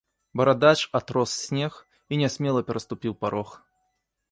Барадач атрос снег і нясмела пераступіў парог.